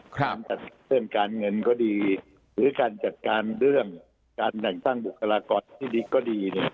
การจัดเรื่องการเงินก็ดีหรือการจัดการเรื่องการแต่งตั้งบุคลากรที่ดีก็ดี